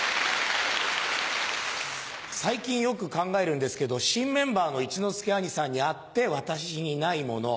最近よく考えるんですけど新メンバーの一之輔兄さんにあって私にないもの。